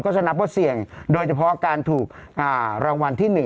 จะนับว่าเสี่ยงโดยเฉพาะการถูกรางวัลที่๑